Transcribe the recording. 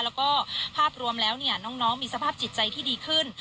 แล้วก็ภาพรวมแล้วน้องมีสภาพจิตใจที่ดีขึ้น